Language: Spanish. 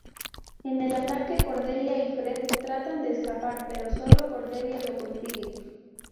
En el ataque Cordelia y Fred tratan de escapar, pero solo Cordelia lo consigue.